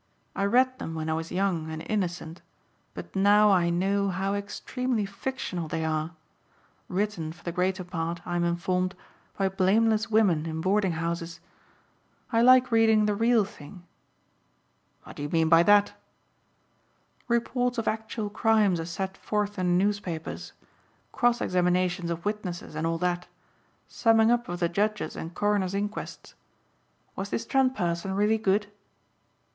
I read them when I was young and innocent but now I know how extremely fictional they are; written for the greater part, I'm informed, by blameless women in boarding houses. I like reading the real thing." "What do you mean by that?" "Reports of actual crimes as set forth in the newspapers. Cross examinations of witnesses and all that, summing up of the judges and coroners' inquests. Was this Trent person really good?"